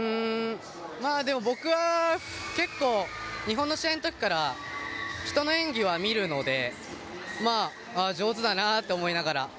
でも僕は、結構日本の試合の時から人の演技は見るのでまあ、上手だなと思いながら。